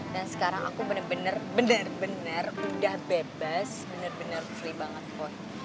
dan sekarang aku bener bener udah bebas bener bener free banget boy